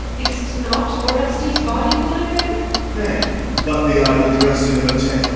Is't not Orestes' body that I bear? OR. Nay, but the idle dressing of a tale.